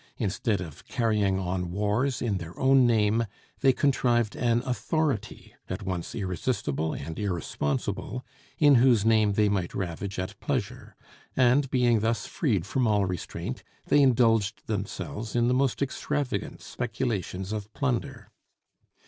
Instead of carrying on wars in their own name, they contrived an authority, at once irresistible and irresponsible, in whose name they might ravage at pleasure; and being thus freed from all restraint, they indulged themselves in the most extravagant speculations of plunder.